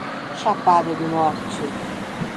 Chapada do Norte